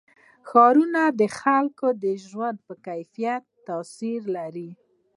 ښارونه د خلکو د ژوند په کیفیت تاثیر کوي.